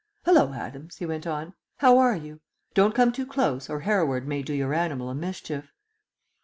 Hullo, Adams," he went on, "how are you? Don't come too close or Hereward may do your animal a mischief."